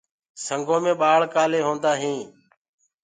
سنگو مي ڀآݪ ڪآلي هوندآ هينٚ؟